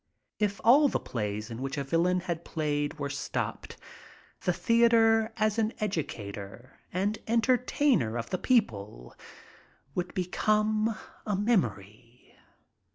If all the plays in which a villain had played were stopped, the theater as an educator and enter tainer of the people would become a memory."